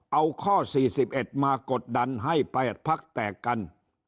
เอาข้อ๔๑มากดดันให้๘พักแตกกัน